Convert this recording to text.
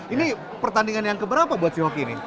ini pertandingan yang keberapa buat si hoki ini